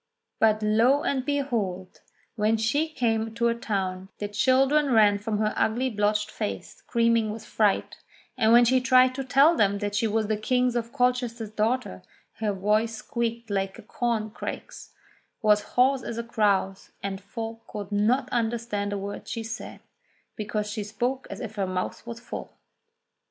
But lo and behold ! when she came to a town, the children ran from her ugly blotched face screaming with fright, and when she tried to tell them she was the King of Colchester's daughter, her voice squeaked like a corn crake's, was hoarse as a crow's, and folk could not understand a word she said, because she spoke as if her mouth was full